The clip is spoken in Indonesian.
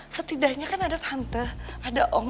setidaknya kan ada tante ada ong